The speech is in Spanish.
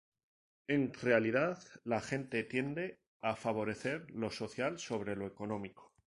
En realidad la gente tiende a favorecer lo social sobre lo económico.